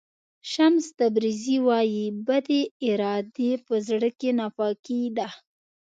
شمس تبریزي وایي بدې ارادې په زړه کې ناپاکي ده.